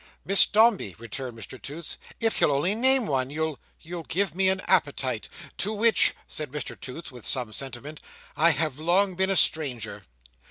"Miss Dombey," returned Mr Toots, "if you'll only name one, you'll—you'll give me an appetite. To which," said Mr Toots, with some sentiment, "I have long been a stranger."